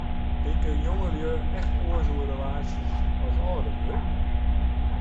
Tinke jongelju echt oars oer relaasjes as âldelju?